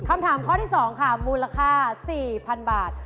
คำถามข้อที่๒ค่ะมูลค่า๔๐๐๐บาท